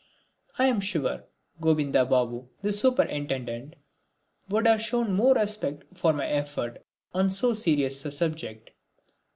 I am sure Gobinda Babu, the superintendent, would have shown more respect for my effort on so serious a subject.